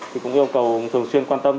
thì cũng yêu cầu thường xuyên quan tâm